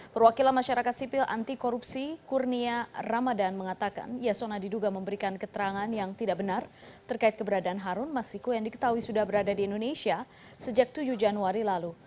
perwakilan masyarakat sipil anti korupsi kurnia ramadan mengatakan yasona diduga memberikan keterangan yang tidak benar terkait keberadaan harun masiku yang diketahui sudah berada di indonesia sejak tujuh januari lalu